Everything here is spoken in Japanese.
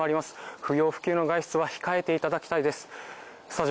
不要不急の外出は控えていただきたいです。